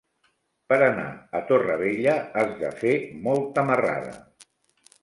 Per anar a Torrevella has de fer molta marrada.